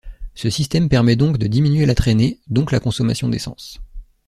Ce système permet ainsi de diminuer la traînée, donc la consommation d'essence.